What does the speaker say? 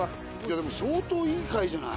でも相当いい回じゃない？